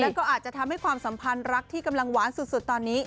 แล้วก็อาจจะทำให้ความสัมพันธ์รักที่กำลังหวานสุดตอนนี้